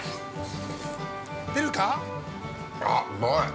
◆あっ、うまい。